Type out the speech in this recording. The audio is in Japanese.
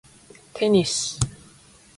テニス